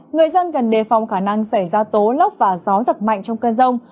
người dân cần đề phòng khả năng xảy ra tố lốc và gió giật mạnh trong cơn rông